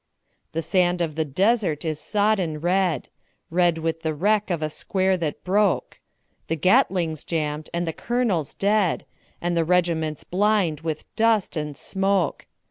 The sand of the desert is sodden red, Red with the wreck of a square that broke; The Gatling's jammed and the colonel dead, And the regiment blind with dust and smoke.